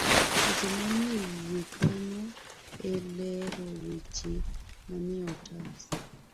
Weche manie wiye konyo e lero weche manie otas.